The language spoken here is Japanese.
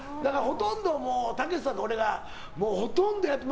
もう、たけしさんと俺がほとんどやってる。